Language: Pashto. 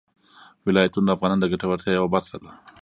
ولایتونه د افغانانو د ګټورتیا یوه برخه ده.